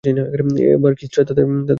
এবার কিসরা তার পিছু নিয়েছে।